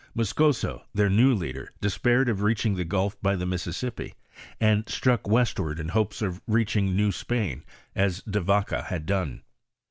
Muscoso, their new leader, despaired of reaching the gulf by the Mississippi, and struck westward in hopes of reaching New Spain, as De Vaca had done.